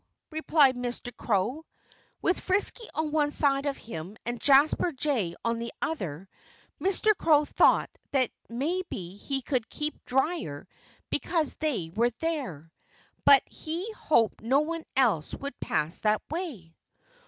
replied Mr. Crow. With Frisky on one side of him and Jasper Jay on the other Mr. Crow thought that maybe he could keep drier because they were there. But he hoped no one else would pass that way.